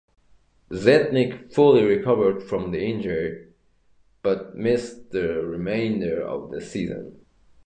Zednik fully recovered from the injury, but missed the remainder of the season.